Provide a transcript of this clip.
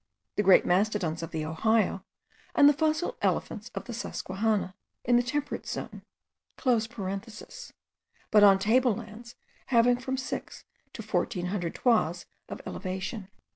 the great mastodons of the Ohio, and the fossil elephants of the Susquehanna, in the temperate zone), but on table lands having from six to fourteen hundred toises of elevation.